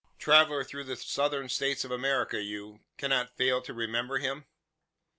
Traveller through the Southern States of America you; cannot fail to remember him?